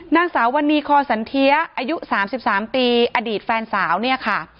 นางสาววันนี้คอสันเทียอายุ๓๓ปีอดีตแฟนสาวเนี่ยค่ะ